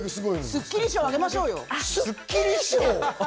スッキリ賞、あげましょうよ。